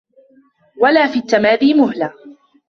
وَلَا فِي التَّمَادِي مُهْلَةً